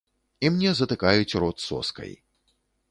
І мне затыкаюць рот соскай.